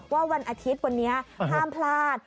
วันอาทิตย์วันนี้ห้ามพลาด